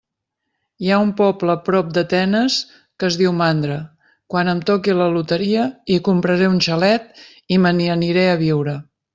Hi ha un poble prop d'Atenes que es diu Mandra. Quan em toqui la loteria hi compraré un xalet i me n'hi aniré a viure.